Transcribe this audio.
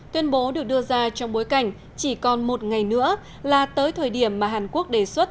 tuyên bố được đưa ra trong bối cảnh chỉ còn một ngày nữa là tới thời điểm mà hàn quốc đề xuất